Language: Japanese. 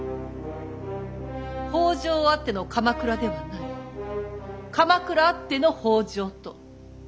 北条あっての鎌倉ではない鎌倉あっての北条と。